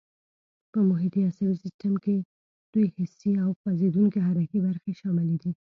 په محیطي عصبي سیستم کې دوې حسي او خوځېدونکي حرکي برخې شاملې دي.